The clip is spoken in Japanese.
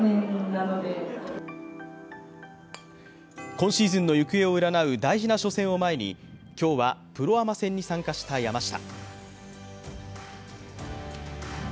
今シーズンの行方を占う大事な初戦を前に今日はプロアマ戦に参加した山下。